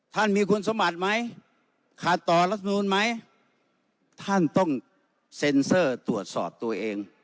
ท่านมีคุณสมบัติไหมขาดต่อรัฐมนูลไหมท่านต้องเซ็นเซอร์ตรวจสอบตัวเอง